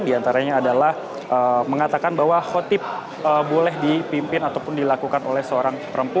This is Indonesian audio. di antaranya adalah mengatakan bahwa khotib boleh dipimpin ataupun dilakukan